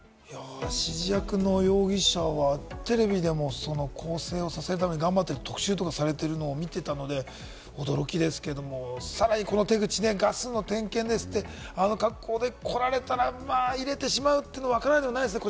指示役の容疑者はテレビでも更生をさせている特集などを見ていたので驚きですけれども、さらにこの手口、ガスの点検ですとあの格好で来られたら入れてしまうというのはわからなくはないですよね？